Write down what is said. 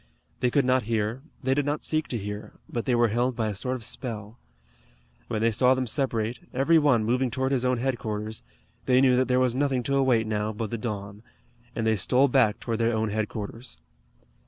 They could not hear, they did not seek to hear, but they were held by a sort of spell. When they saw them separate, every one moving toward his own headquarters, they knew that there was nothing to await now but the dawn, and they stole back toward their own headquarters.